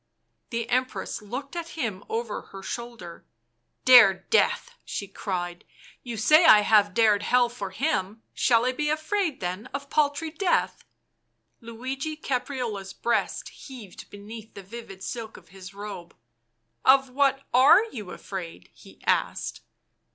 The Empress looked at him over her shoulder. "Dare death !" she cried. " You say I have dared Hell for — him! — shall I be afraid, then, of paltry death?" Luigi Caprarola's breast heaved beneath the vivid silk of his robe. " Of what are you afraid ?" he asked.